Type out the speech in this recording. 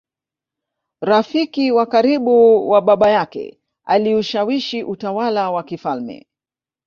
rafiki wa karibu wa Baba yake Aliushawishi utawala wa kifalme